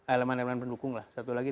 elemen elemen pendukung lah satu lagi